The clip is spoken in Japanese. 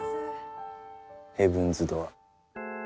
ヘブンズ・ドアー。